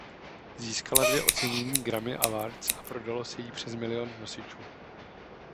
Získala dvě ocenění Grammy Awards a prodalo se jí přes milión nosičů.